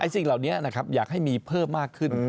สิ่งเหล่านี้นะครับอยากให้มีเพิ่มมากขึ้น